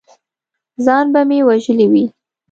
ځان به مې وژلی وي!